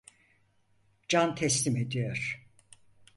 Can teslim ediyor!